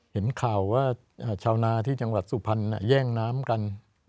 เห็นข่าวว่าชาวนาที่จังหวัดสุพรรณแย่งน้ำกัน